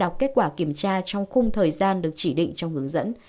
đọc kết quả kiểm tra trong khung thời gian được chỉ định trong hướng dẫn